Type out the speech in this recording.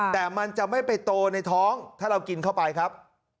แต่มันจะไม่ไปโตในท้องถ้าเรากินเข้าไปครับ